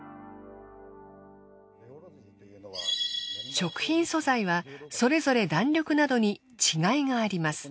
食品素材はそれぞれ弾力などに違いがあります。